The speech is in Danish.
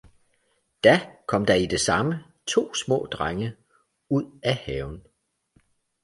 Da kom der i det samme to små drenge ud af haven